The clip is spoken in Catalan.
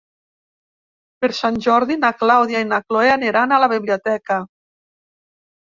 Per Sant Jordi na Clàudia i na Cloè aniran a la biblioteca.